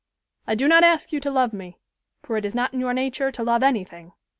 I do not ask you to love me, for it is not in your nature to love anything.